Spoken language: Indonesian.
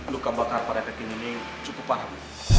luka bakar pada kakin ini cukup parah bu